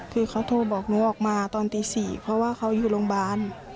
คือเขาโทรบอกหนูออกมาตอนตี๔เพราะว่าเขาอยู่โรงพยาบาล